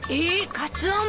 カツオも？